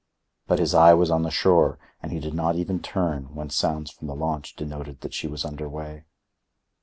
But his eye was on the shore, and he did not even turn when sounds from the launch denoted that she was under way.